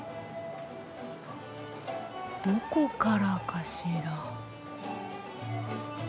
どこからかしら。